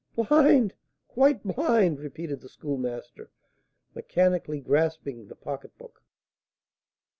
"Blind! quite blind!" repeated the Schoolmaster, mechanically grasping the pocketbook.